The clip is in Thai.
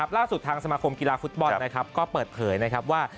ล่าสุดทางสมาคมกีฬาฟุตบอลก็เปิดเผยนะครับว่า